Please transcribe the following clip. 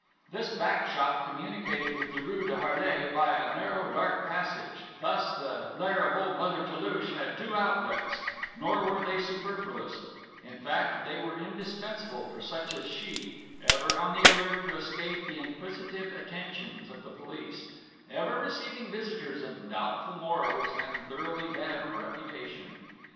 This back shop communicated with the rue de Harlay by a narrow dark passage; thus the lair of old Mother Toulouche had two outlets, nor were they superfluous; in fact, they were indispensable for such as she ever on the alert to escape the inquisitive attentions of the police, ever receiving visitors of doubtful morals and thoroughly bad reputation.